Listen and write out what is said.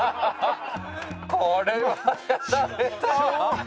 これはやられたわ！